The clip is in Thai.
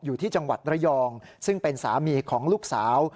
อยู่ที่จังหวัดระยองซึ่งเป็นสามีของลูกสาว